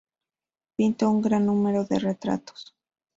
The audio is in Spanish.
Pintó un gran número de retratos.